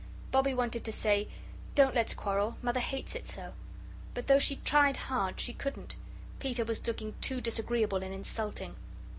Bobbie wanted to say: "Don't let's quarrel. Mother hates it so," but though she tried hard, she couldn't. Peter was looking too disagreeable and insulting.